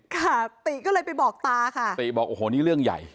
ติก็เลยไปบอกตาค่ะติบอกโอ้โหนี่เรื่องใหญ่